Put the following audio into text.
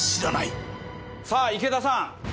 さあ池田さん。